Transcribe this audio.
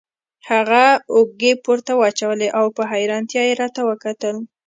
هغه اوږې پورته واچولې او په حیرانتیا یې راته وکتل.